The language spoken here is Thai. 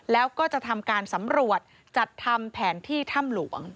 แล้วก็จะทำการสำรวจจัดทำแผนที่ถ้ำหลวง